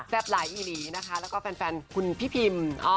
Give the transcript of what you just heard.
หลายอีหลีนะคะแล้วก็แฟนคุณพี่พิม